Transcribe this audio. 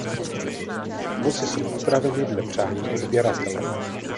Vozy jsou upraveny dle přání odběratele.